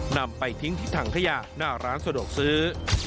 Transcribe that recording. นำไปทิ้งที่ถังขยะหน้าร้านสะดวกซื้อ